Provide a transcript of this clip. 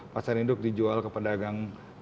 pasar induk dijual ke pedagang